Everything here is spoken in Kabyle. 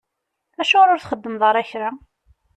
Acuɣeṛ ur txeddmeḍ ara kra?